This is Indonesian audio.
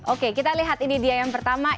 oke kita lihat ini dia yang pertama